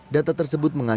data tersebut mengacu pak